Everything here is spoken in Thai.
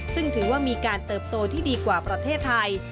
ซึ่งถือว่ามีการเติบโตที่ดีกว่าประเทศไทย